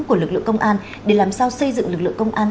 của lực lượng công an để làm sao xây dựng lực lượng công an